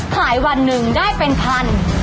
วันหนึ่งได้เป็นพัน